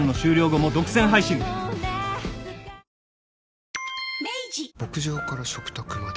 ［そして］牧場から食卓まで。